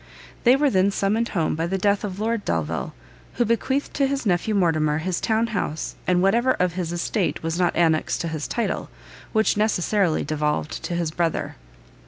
They were then summoned home by the death of Lord Delvile, who bequeathed to his nephew Mortimer his town house, and whatever of his estate was not annexed to his title, which necessarily devolved to his brother.